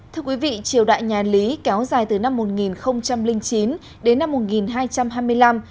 thưa quý vị triều đại nhà lý kéo dài từ năm một nghìn chín đến năm một nghìn hai trăm hai mươi năm